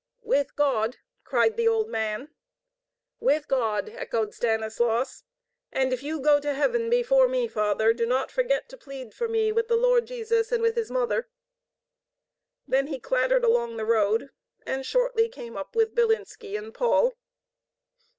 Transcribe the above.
"With God!" cried the old man. "With God!" echoed Stanislaus. 'And if you go to heaven before me, father, do not forget to plead for me with the Lord Jesus and with His Mother." Then he clattered along the road, and shortly came up with Bilinski and Paul.